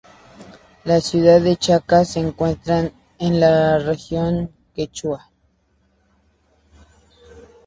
La ciudad de Chacas se encuentra en la región Quechua.